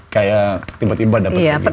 kayak tiba tiba dapetnya gitu